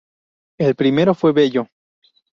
El primero fue Bello.